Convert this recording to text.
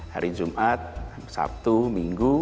hari jumat sabtu minggu